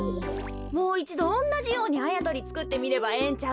もういちどおんなじようにあやとりつくってみればええんちゃうの？